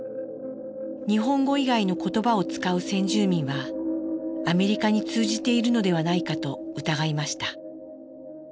日本語以外の言葉を使う先住民はアメリカに通じているのではないかと疑いました。